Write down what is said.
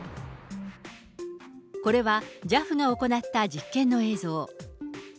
これはＪＡＦが行った実験の映像。